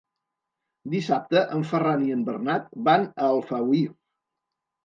Dissabte en Ferran i en Bernat van a Alfauir.